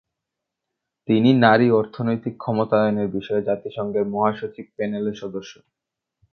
তিনি নারী অর্থনৈতিক ক্ষমতায়নের বিষয়ে জাতিসংঘের মহাসচিব-প্যানেলের সদস্য।